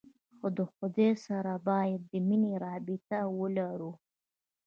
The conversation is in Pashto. خو د خداى سره بايد د مينې رابطه ولرو.